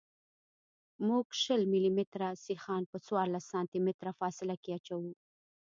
موږ شل ملي متره سیخان په څوارلس سانتي متره فاصله کې اچوو